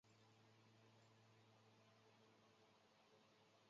歌词中充满了关于虐恋的双关语。